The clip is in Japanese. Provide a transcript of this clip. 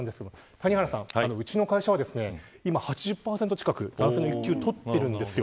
谷原さん、うちの会社は今、８０％以上男性が有給を取ってるんです。